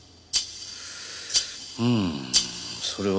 うーんそれは。